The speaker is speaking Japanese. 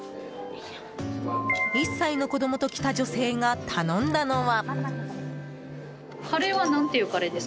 １歳の子供と来た女性が頼んだのは。